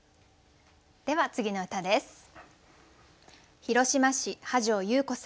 では次の歌です。